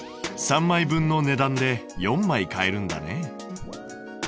３枚分の値段で４枚買えるんだね。